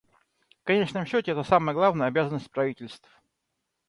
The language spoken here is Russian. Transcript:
В конечном счете, это самая главная обязанность правительств.